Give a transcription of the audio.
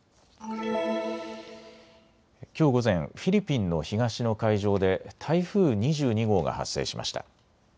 きょう午前、フィリピンの東の海上で台風２２号が発生しました。